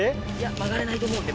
曲がれないと思うんで。